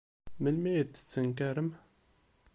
Melmi ay d-tettenkarem?